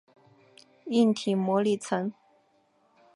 硬体模拟层。